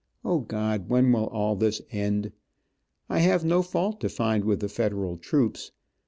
O, God, when will this all end. I have no fault to find with the Federal troops.